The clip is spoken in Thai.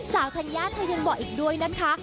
ธัญญาเธอยังบอกอีกด้วยนะคะ